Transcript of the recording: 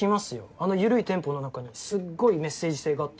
あのゆるいテンポの中にすっごいメッセージ性があって。